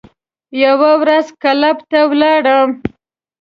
یوه ورځ کلب ته ولاړم.